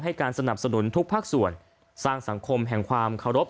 การสนับสนุนทุกภาคส่วนสร้างสังคมแห่งความเคารพ